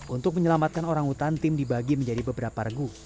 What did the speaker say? untuk menyelamatkan orang hutan tim dibagi menjadi beberapa regu